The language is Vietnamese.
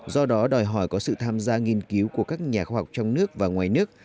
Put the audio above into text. do đó đòi hỏi có sự tham gia nghiên cứu của các nhà khoa học trong nước và ngoài nước